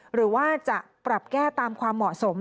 หรือว่าจะปรับแก้ตามความเหมาะสม